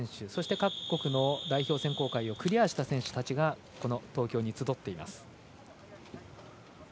各国の代表選考会を突破した選手がこの東京に集っています。